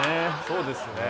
そうですね。